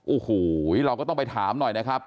โอ้โหเราก็ต้องไปถามหน่อยนะครับ